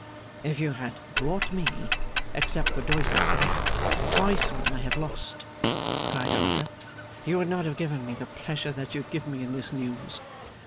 'If you had brought me (except for Doyce's sake) twice what I have lost,' cried Arthur, 'you would not have given me the pleasure that you give me in this news.